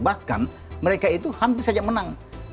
bahkan mereka itu hampir saja menang